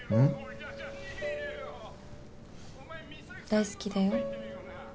大好きだよ。